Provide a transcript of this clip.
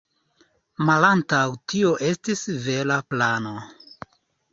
Malantaŭ tio estis vera plano.